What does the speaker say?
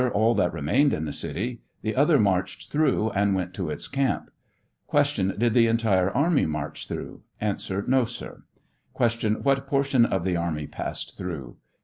All that remained in the city ; the other marched through and went to its camp. Q. Did the entire army march through ? A. No, sir. Q. What portion of the army passed through